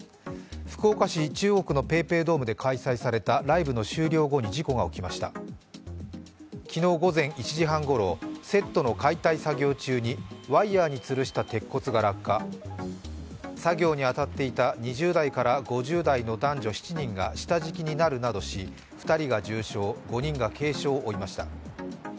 福岡市中央区のＰａｙＰａｙドームで開催されたライブの終了後に事故が起きました昨日午前１時半ごろ、セットの解体作業中にワイヤーにつるした鉄骨が落下作業に当たっていた２０代から５０代の男女７人が下敷きになるなどし２人が重傷、５人が軽傷を負いました。